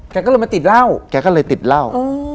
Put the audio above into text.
แกก็เลยมาติดเล่า